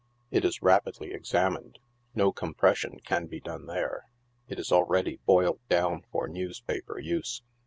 It is rapidly ex amined ; no compression can be done there — it is already boiled down for newspaper use.